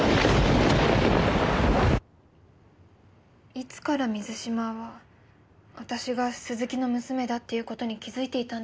いつから水嶋は私が鈴木の娘だっていう事に気づいていたんでしょうか。